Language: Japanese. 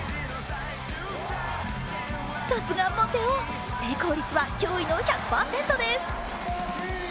さすがモテ男、成功率は驚異の１００％です。